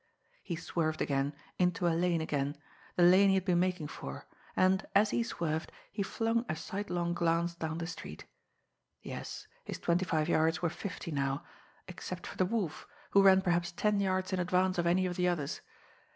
He swerved again, into a lane again, the lane he had been making for; and, as he swerved, he flung a sidelong glance down the street. Yes, his twenty five yards were fifty now, except for the Wolf, who ran perhaps ten yards in advance of any of the others.